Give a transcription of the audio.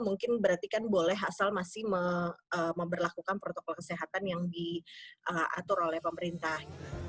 mungkin berarti kan boleh asal masih memperlakukan protokol kesehatan yang diatur oleh pemerintah